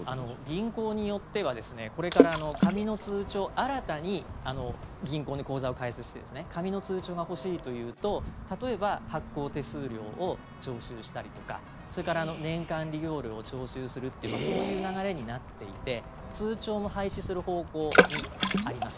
銀行によってはこれから紙の通帳新たに銀行に口座を開設して紙の通帳が欲しいというと例えば、発行手数料を徴収したりとかそれから年間利用料を徴収するというそういう流れになっていて通帳も廃止する方向にあります。